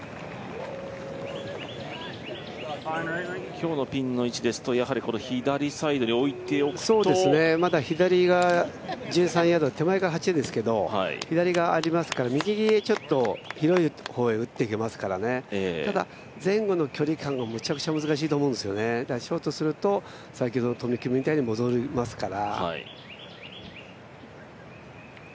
今日のピンの位置ですと、左サイドに置いておくとまだ左が、１３ヤード、手前から８ですけと左がありますから、右へちょっと広い方へ打っていけますからね、ただ、前後の距離感がむちゃくちゃ難しいと思うんですよね、ショートすると先ほどのトム・キムみたいに戻りますから。